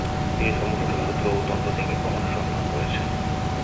তিনি সমস্ত সূত্র ও তন্ত্র থেকে প্রমাণের সন্ধান করেছেন।